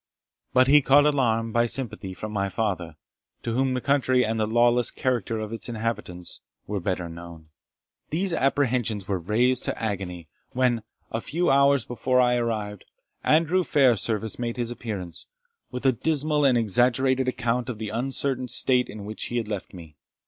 But he caught alarm, by sympathy, from my father, to whom the country, and the lawless character of its inhabitants, were better known. These apprehensions were raised to agony, when, a few hours before I arrived, Andrew Fairservice made his appearance, with a dismal and exaggerated account of the uncertain state in which he had left me.